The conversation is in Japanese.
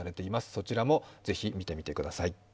そちらもぜひ見てみてください。